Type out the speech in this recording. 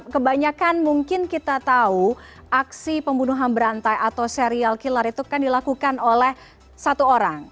kebanyakan mungkin kita tahu aksi pembunuhan berantai atau serial killer itu kan dilakukan oleh satu orang